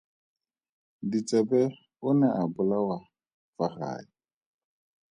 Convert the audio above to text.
Ditsebe o ne a bolawa fa gae.